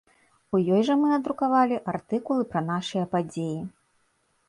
У ёй жа мы надрукавалі артыкулы пра нашыя падзеі.